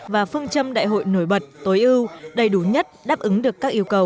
và phương châm đại hội nổi bật tối ưu đầy đủ nhất đáp ứng được các yêu cầu